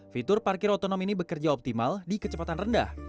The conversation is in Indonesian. fitur parkir otonom ini bekerja optimal di kecepatan rendah